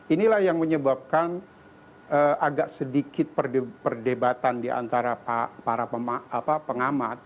inilah yang menyebabkan agak sedikit perdebatan diantara para pengamat